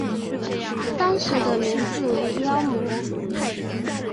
当时的名字为妖魔。